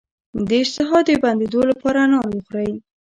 د اشتها د بندیدو لپاره انار وخورئ